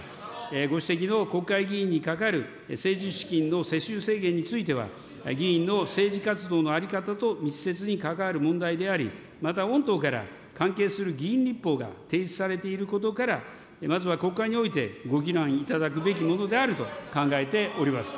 ご指摘の国会議員にかかる政治資金の世襲制限については、議員の政治活動の在り方と密接に関わる問題であり、また御党から関係する議員立法が提示されていることから、まずは国会においてご議論いただくべきものであると考えております。